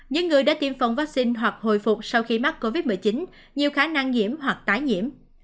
những người đã tiêm phòng vaccine hoặc hồi phục sau khi mắc covid một mươi chín nhiều khả năng nhiễm hoặc tái nhiễm